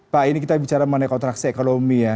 pak ini kita bicara mengenai kontraksi ekonomi ya